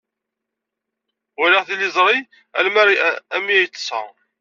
Walaɣ tiliẓri armi ay ḍḍseɣ.